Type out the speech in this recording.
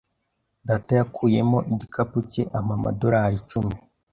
Data yakuyemo igikapu cye ampa amadorari icumi.